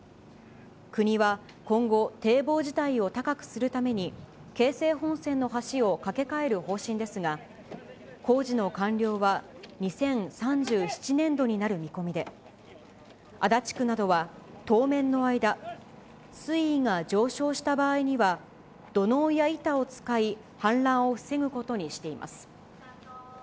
国は、今後、堤防自体を高くするために、京成本線の橋を架け替える方針ですが、工事の完了は２０３７年度になる見込みで、足立区などは当面の間、水位が上昇した場合には、土のうや板を使い、氾濫を防ぐことにしています。